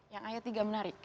yang ayat tiga menarik